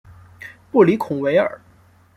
布里孔维尔。